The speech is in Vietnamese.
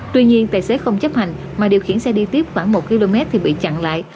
tuy nhiên tài xế không chấp hành mà điều khiển xe đi tiếp khoảng một km thì bị chặn lại